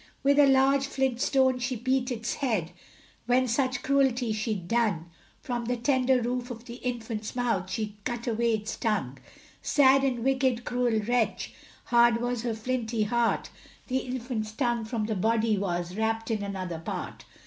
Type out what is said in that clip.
With a large flint stone she beat its head When such cruelty she'd done, From the tender roof of the infant's mouth She cut away it's tongue; Sad and wicked, cruel wretch, Hard was her flinty heart, The infant's tongue from the body was Wrapped in another part.